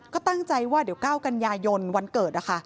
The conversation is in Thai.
ก็ตั้งใจว่าเดี๋ยว๙กันยายนวันเกิดนะคะ